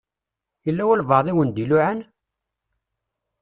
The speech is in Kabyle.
Yella walebɛaḍ i wen-d-iluɛan?